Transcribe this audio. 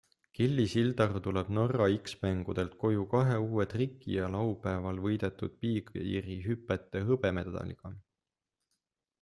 Kelly Sildaru tuleb Norra X-mängudelt koju kahe uue triki ja laupäeval võidetud Big Airi hüpete hõbemedaliga.